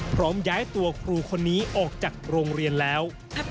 พร้อมย้ายตัวครูคนนี้ออกจากโรงเรียนแล้ว